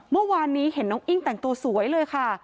เมื่อวานนี้เห็นน้องอิ้งแต่งตัวสวยเลยค่ะ